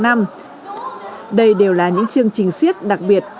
đây đều là những chương trình siết đặc biệt